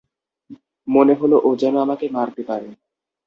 মনে হল ও যেন আমাকে মারতে পারে।